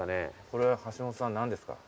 これ橋本さん何ですか？